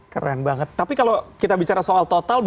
keren banget tapi kalau kita bicara soal total